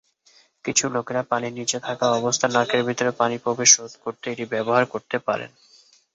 কিছু লোকেরা পানির নীচে থাকা অবস্থায় নাকের ভিতর পানির প্রবেশ রোধ করতে এটি ব্যবহার করতে পারেন।